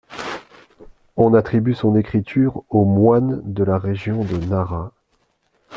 On attribue son écriture au moine de la région de Nara.